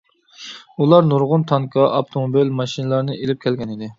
ئۇلار نۇرغۇن تانكا، ئاپتوموبىل، ماشىنىلارنى ئېلىپ كەلگەنىدى.